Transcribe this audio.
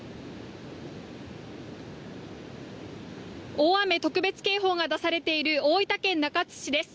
大雨特別警報が出されている大分県中津市です。